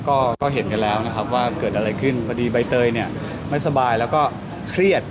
ก็เห็นกันแล้วนะครับว่าเกิดอะไรขึ้นพอดีใบเตยเนี่ยไม่สบายแล้วก็เครียด